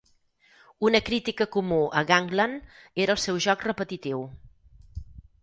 Una crítica comú a Gangland era el seu joc repetitiu.